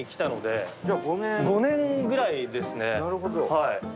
はい。